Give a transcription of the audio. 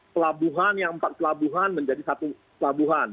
pelabuhan yang empat pelabuhan menjadi satu pelabuhan